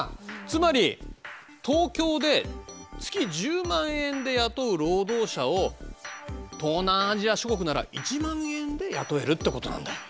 つまり東京で月１０万円で雇う労働者を東南アジア諸国なら１万円で雇えるってことなんだよ。